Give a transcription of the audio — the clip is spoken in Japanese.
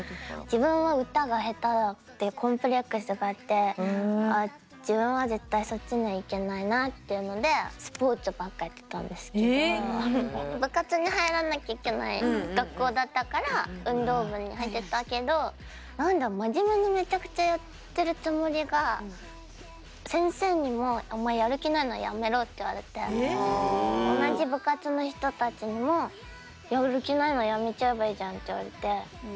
自分は歌が下手だってコンプレックスがあってあ自分は絶対そっちにはいけないなっていうので部活に入らなきゃいけない学校だったから運動部に入ってたけど何だ真面目にめちゃくちゃやってるつもりが先生にも「お前やる気ないなら辞めろ」って言われて同じ部活の人たちにも「やる気ないなら辞めちゃえばいいじゃん」って言われて。